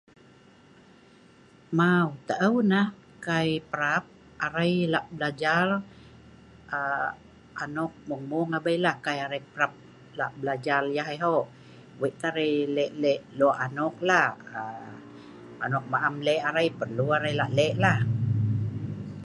Mau taau nah kai parap arei lak belajar um anok mung- mung abei lah kai arei parap lak belajar yeh ai hok we’ik teh arei lek-lek lok anok lah um anok nok arei am lek ai perlu arei lak lek anok lah